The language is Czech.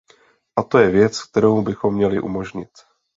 A to je věc, kterou bychom měli umožnit.